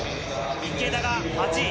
池田が８位。